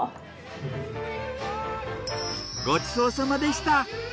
ごちそうさまでした。